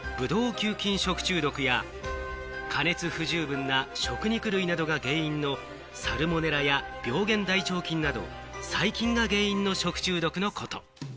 球菌食中毒や、加熱不十分な食肉類などが原因のサルモネラや病原大腸菌など細菌が原因の食中毒のこと。